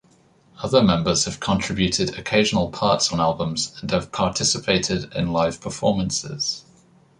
Other members have contributed occasional parts on albums and have participated in live performances.